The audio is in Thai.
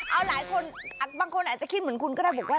เอาหลายคนบางคนอาจจะคิดเหมือนคุณก็ได้บอกว่า